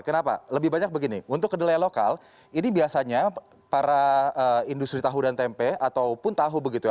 kenapa lebih banyak begini untuk kedelai lokal ini biasanya para industri tahu dan tempe ataupun tahu begitu ya